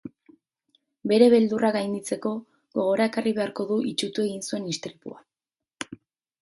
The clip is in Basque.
Bere beldurrak gainditzeko, gogora ekarri beharko du itsutu egin zuen istripua.